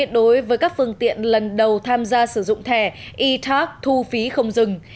đối với các phương tiện lần đầu tham gia sử dụng thẻ e tac thu phí không dừng